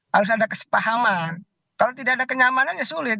harus ada kesepahaman kalau tidak ada kenyamanan ya sulit